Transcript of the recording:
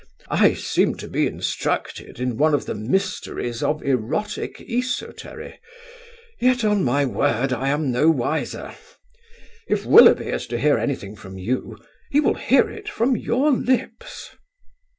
I seem to be instructed in one of the mysteries of erotic esotery, yet on my word I am no wiser. If Willoughby is to hear anything from you, he will hear it from your lips."